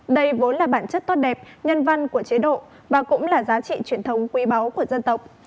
đây vốn là bản chất tốt đẹp nhân văn của chế độ và cũng là giá trị truyền thống quý báu của dân tộc